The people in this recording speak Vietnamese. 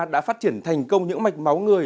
đã phát triển thành công những mạch máu người